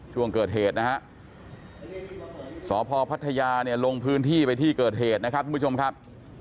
ช่วงเกิดเหตุนะฮะสพพัทยาเนี่ยลงพื้นที่ไปที่เกิดเหตุนะครับทุกผู้ชมครับ